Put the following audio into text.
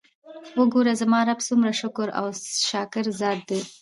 وګوره! زما رب څومره شکور او شاکر ذات دی!!؟